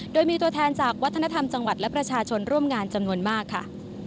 โดยมีตัวแทนจากวัฒนธรรมจังหวัดและประชาชนร่วมงานจำนวนมากค่ะ